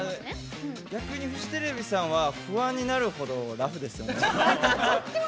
逆にフジテレビさんは不安になるほどラフですよね。